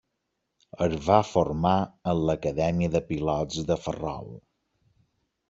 Es va formar en l'acadèmia de pilots de Ferrol.